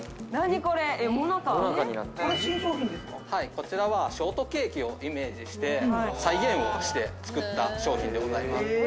こちらはショートケーキをイメージして、再現をして作った商品でございます。